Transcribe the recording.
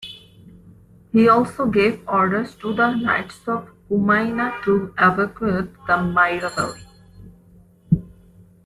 He also gave orders to the knights of Cumiana to evacuate the Maira valley.